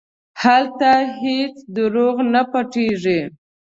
هلته هېڅ دروغ نه پټېږي.